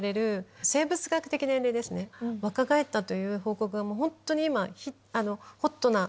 若返ったという報告が本当に今ホットな。